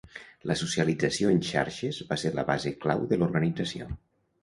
La socialització en xarxes va ser la base clau de l'organització.